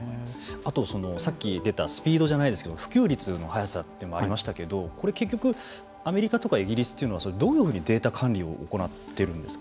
あとさっき言っていたスピードじゃないですけど普及率の早さというのもありましたがこれ結局アメリカとかイギリスというのはどういうふうにデータ管理を行っているんですか。